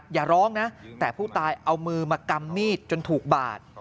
อย่าร้องนะแต่ผู้ตายเอามือมากำมีดจนถูกบาด